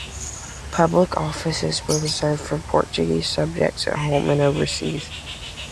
Public offices were reserved for Portuguese subjects at home and overseas.